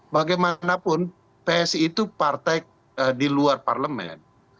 bagaimanapun psi itu partai di luar parlemen